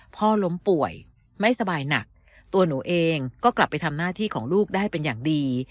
พ่อล้มป่วยไม่สบายหนักตัวหนูเองก็กลับไปทำหน้าที่ของลูกได้เป็นอย่างดี